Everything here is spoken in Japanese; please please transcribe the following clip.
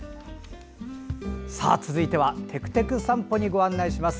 続いては「てくてく散歩」にご案内します。